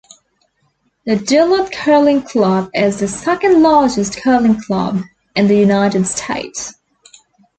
The Duluth Curling Club is the second largest curling club in the United States.